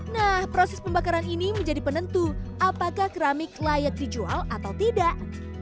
nah proses pembakaran ini menjadi penentu apakah keramik layak dijual atau tidak